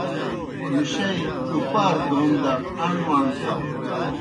مُشَئی اُپار دون دہ اݨ مݨ تھاؤ۔